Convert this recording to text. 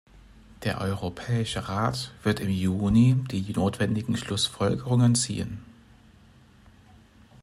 Der Europäische Rat wird im Juni die notwendigen Schlussfolgerungen ziehen.